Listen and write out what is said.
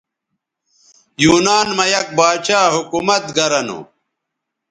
یونان مہ یک باچھا حکومت گرہ نو